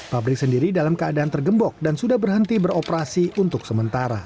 pabrik sendiri dalam keadaan tergembok dan sudah berhenti beroperasi untuk sementara